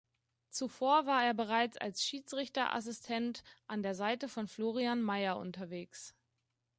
Zuvor war er bereits als Schiedsrichter-Assistent an der Seite von Florian Meyer unterwegs.